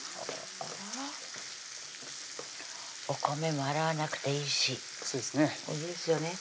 お米も洗わなくていいしそうですねいいですよね